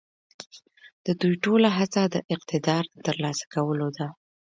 د دوی ټوله هڅه د اقتدار د تر لاسه کولو ده.